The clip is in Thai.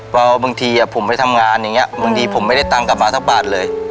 ว่าบางทีผมไปทำงานอย่างนี้บางทีผมไม่ได้ตังค์กลับมาสักบาทเลย